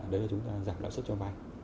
đó là chúng ta giảm lãi suất cho vay